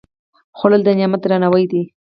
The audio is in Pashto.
خوړل د نعمت درناوی دی